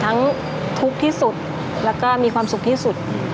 ทุกข์ที่สุดแล้วก็มีความสุขที่สุด